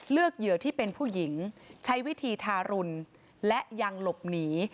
เหยื่อที่เป็นผู้หญิงใช้วิธีทารุณและยังหลบหนี